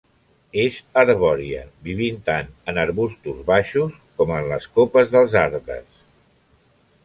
És arbòria, vivint tant en arbustos baixos com en les copes dels arbres.